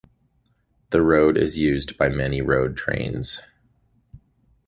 The road is used by many road trains.